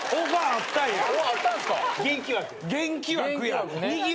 元気枠や。